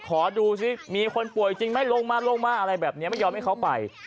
ขอดูสิมีคนป่วยจริงไหมลงมาลงมาอะไรแบบนี้ไม่ยอมให้เขาไป